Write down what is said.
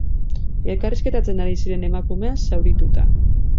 Elkarrizketatzen ari ziren emakumea, zaurituta.